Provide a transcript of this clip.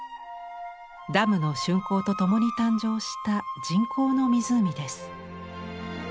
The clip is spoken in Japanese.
ダムの竣工とともに誕生した人工の湖です。